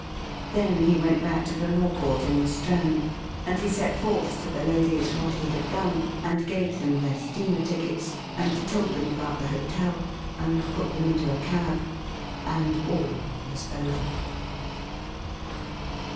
Then he went back to the law court in the Strand, and he set forth to the ladies what he had done, and gave them their steamer tickets, and told them about the hotel, and put them into a cab, and all was over.